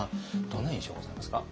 どんな印象ございますか？